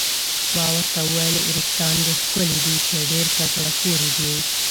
ما ورته وویل: وریښتان دې ښکلي دي، چې ډېر په زړه پورې دي.